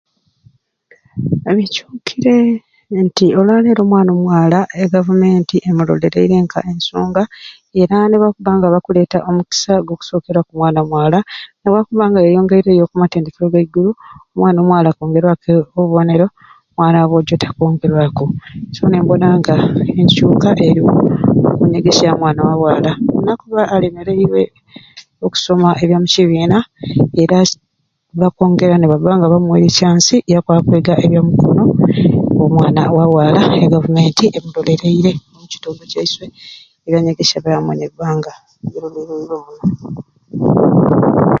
Bikyukire nti olwaleero omwana omwala e Gavumenti emulolere k'ensonga era ni bakubba nga bakuleeta omukisa gukusokera ku mwana mwala n'akubba nga yeyongeiro oku matendekero agaiguru akwongerwaku obubonero omwana wa bwojo takwongerwaku so ne mbona nga ekyuka kyuka eriwo oku byanyegesya bya mwana wa bwala